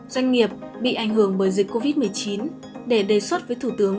doanh nghiệp bị ảnh hưởng bởi dịch covid một mươi chín để đề xuất với thủ tướng